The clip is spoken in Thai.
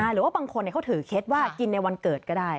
หรือว่าบางคนเขาถือเคล็ดว่ากินในวันเกิดก็ได้